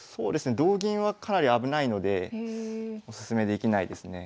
同銀はかなり危ないのでおすすめできないですね。